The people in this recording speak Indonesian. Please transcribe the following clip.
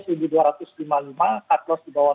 satlos di bawah satu dua ratus lima puluh lima